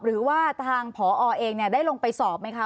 หรือว่าทางผอเองได้ลงไปสอบไหมคะ